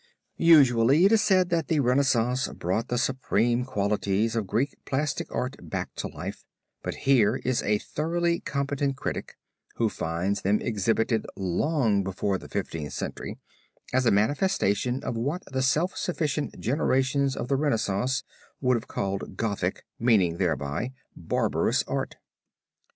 Usually it is said that the Renaissance brought the supreme qualities of Greek plastic art back to life, but here is a thoroughly competent critic who finds them exhibited long before the Fifteenth Century, as a manifestation of what the self sufficient generations of the Renaissance would have called Gothic, meaning thereby, barbarous art.